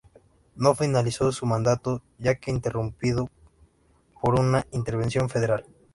No finalizó su mandato ya que fue interrumpido por una intervención federal.